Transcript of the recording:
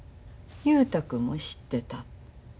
雄太君も知ってた。